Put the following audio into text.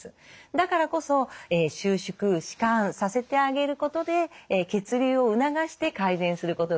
だからこそ収縮弛緩させてあげることで血流を促して改善することができる。